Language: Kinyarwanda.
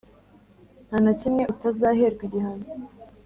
nta na kimwe utazaherwa igihano